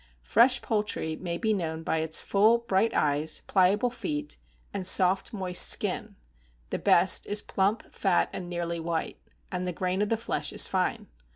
Fresh poultry may be known by its full bright eyes, pliable feet, and soft moist skin; the best is plump, fat, and nearly white, and the grain of the flesh is fine.